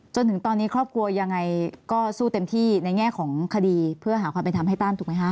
จนถึงตอนนี้ครอบครัวยังไงก็สู้เต็มที่ในแง่ของคดีเพื่อหาความเป็นธรรมให้ตั้นถูกไหมคะ